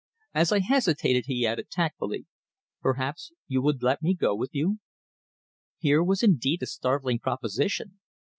As I hesitated, he added, tactfully, "Perhaps you would let me go with you?" Here was indeed a startling proposition!